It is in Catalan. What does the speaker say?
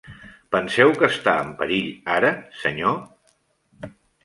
Penseu que està en perill ara, senyor?